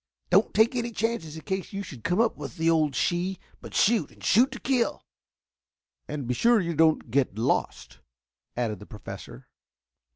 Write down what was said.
"Don't take any chances in case you should come up with the old she, but shoot and shoot to kill." "And be sure that you don't get lost," added the Professor.